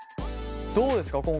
どうですか？